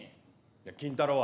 「金太郎」は？